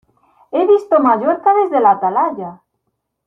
¡He visto Mallorca desde la Atalaya!